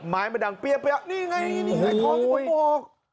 ไม้มันดังเปรี้ยบเปรี้ยบนี่ไงนี่ไอ้ทองที่บอกบอก